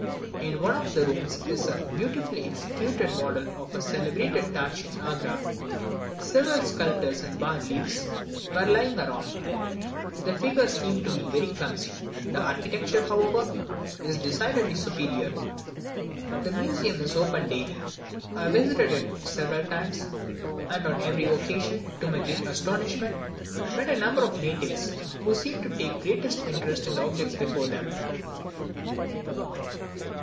In one of the rooms is a beautifully executed model of the celebrated Tatch in Agra; several sculptures and bas reliefs were lying around. The figures seemed to me very clumsy; the architecture, however, is decidedly superior. The museum is open daily. I visited it several times, and, on every occasion, to my great astonishment, met a number of natives, who seemed to take the greatest interest in the objects before them.